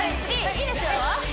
いいですよ